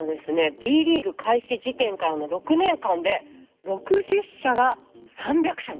Ｂリーグ開始時点からの６年間で６０社が３００社に。